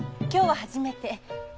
今日は初めて。